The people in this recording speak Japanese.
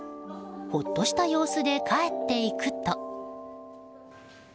ほっとした様子で帰っていくと。